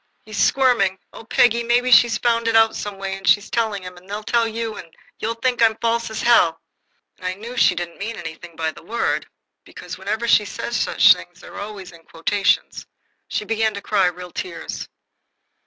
"He's squirming. Oh, Peggy, maybe she's found it out some way, and she's telling him, and they'll tell you, and you'll think I am false as hell!" I knew she didn't mean anything by that word, because whenever she says such things they're always quotations. She began to cry real tears.